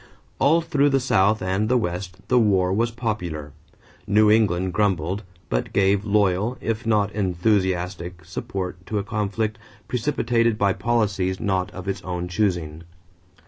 All through the South and the West the war was popular. New England grumbled, but gave loyal, if not enthusiastic, support to a conflict precipitated by policies not of its own choosing.